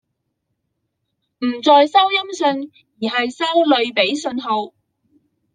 不再收音訊而是收類比訊號